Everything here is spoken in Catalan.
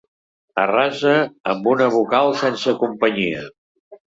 Arrasa amb una vocal sense companyia.